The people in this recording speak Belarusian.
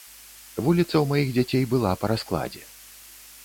Вуліца ў маіх дзяцей была па раскладзе.